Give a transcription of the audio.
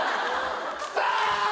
クソ！